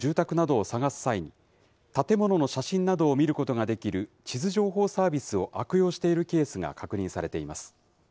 空き巣などの犯罪では、窃盗グループが忍び込む住宅などを探す際に、建物の写真などを見ることができる地図情報サービスを悪用しているケースが確認されています。